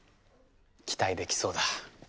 期待できそうだ。